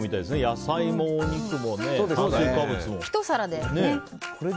野菜もお肉も炭水化物も。